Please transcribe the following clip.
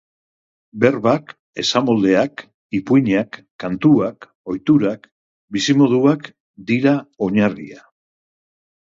Berbak, esamoldeak, ipuinak, kantuak, ohiturak, bizimoduak... dira oinarria.